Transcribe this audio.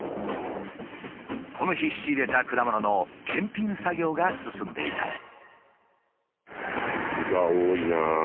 この日仕入れた果物の検品作業が進んでいた。